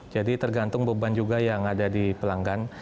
jadi tergantung beban juga yang ada di pelanggan